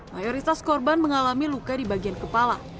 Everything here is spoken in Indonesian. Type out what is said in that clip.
mayoritas korban mengalami luka di bagian kepala